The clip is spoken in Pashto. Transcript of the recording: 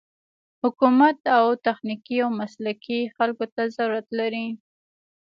حکومت و تخنيکي او مسلکي خلکو ته ضرورت لري.